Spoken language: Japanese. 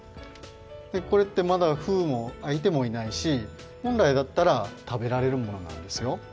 これってまだふうもあいてもいないしほんらいだったら食べられるものなんですよ。